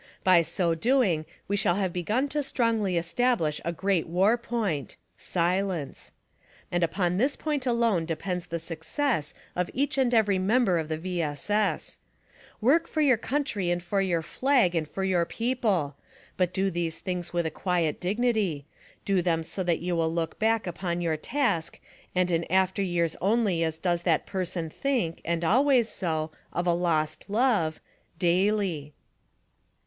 By so doing we shall have begun to strongly establish a great war point — silence. And upon this point alone depends the success of each and every member of the V. S. S. Work for your country and your flag and your people. But do these things with a quiet dignity ; do them so that you will look back upon your task and in after years only as does that person think, and ahvays so, of a lost iove : Daily.